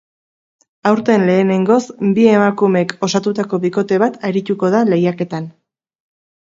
Aurten lehenengoz, bi emakumek osatutako bikote bat arituko da lehiaketan.